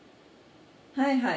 はいはい。